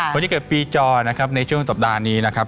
คนที่เกิดปีจอนะครับในช่วงสัปดาห์นี้นะครับ